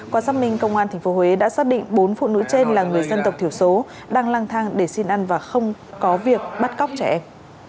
qua xác minh công an tp huế đã xác định bốn phụ nữ trên là người dân tộc thiểu số đang lang thang để xin ăn và không có việc bắt cóc trẻ em